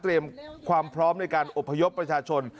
เตรียมความพร้อมในการอพยพประชาชน